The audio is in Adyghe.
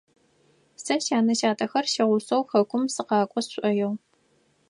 Сэ сянэ-сятэхэр сигъусэу хэкум сыкъакӏо сшӏоигъу.